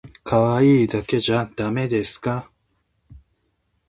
かわいいだけじゃだめですか？